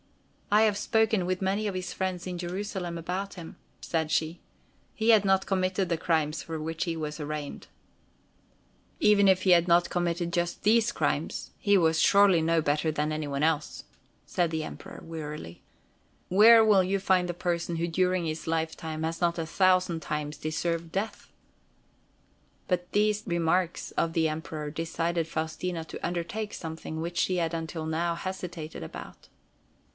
"I have spoken with many of his friends in Jerusalem about him," said she. "He had not committed the crimes for which he was arraigned." "Even if he had not committed just these crimes, he was surely no better than any one else," said the Emperor wearily. "Where will you find the person who during his lifetime has not a thousand times deserved death?" But these remarks of the Emperor decided Faustina to undertake something which she had until now hesitated about.